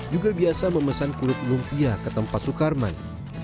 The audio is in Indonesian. juga biasa memesan kulit lumpia ke tempat sukarman